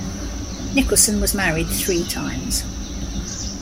Nicholson was married three times.